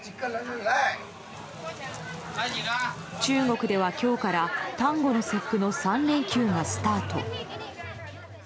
中国では、今日から端午の節句の３連休がスタート。